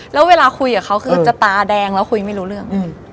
แล้วเวลาคุยกับเขาคือจะตาแดงแล้วคุยไม่รู้เรื่อง